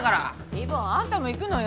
ヒー坊あんたも行くのよ。